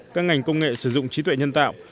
các ngành công nghệ sử dụng trí tuệ nhân tạo